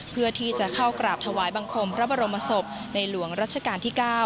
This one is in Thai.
เพื่อที่จะเข้ากราบถวายบังคมพระบรมศพในหลวงรัชกาลที่๙